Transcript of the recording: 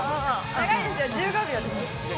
長いですよ１５秒です。